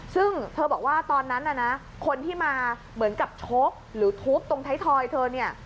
ซึ่งเธอบอกว่าตอนนั้นน่ะนะคนที่มาเหมือนกับชกหรือทุบตรงไทยทอยเธอเนี่ย